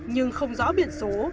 nhưng không rõ biển số